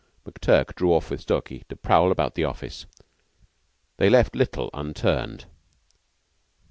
McTurk drew off with Stalky to prowl about the office. They left little unturned.